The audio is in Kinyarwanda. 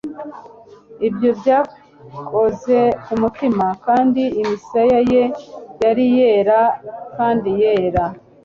ibyo byankoze ku mutima, kandi imisaya ye yari yera kandi yera